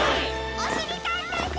おしりたんていさん！